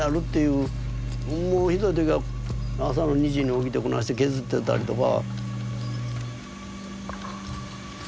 もうひどい時は朝の２時に起きてこないして削ってたりとか。